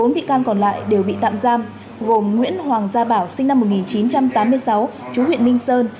bốn bị can còn lại đều bị tạm giam gồm nguyễn hoàng gia bảo sinh năm một nghìn chín trăm tám mươi sáu chú huyện ninh sơn